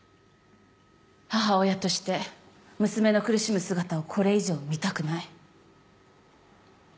母親として娘の苦しむ姿をこれ以上見たくない。